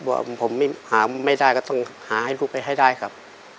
ว่าผมหาไม่ได้ก็ต้องหาให้ลูกไปให้ได้ครับ